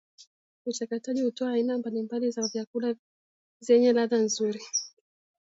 uchakataji hutoa aina mbali mbali za vyakula zenye ladha nzuri